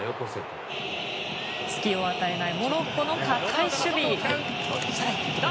隙を与えないモロッコの高い守備。